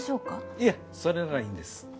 いえそれならいいんです。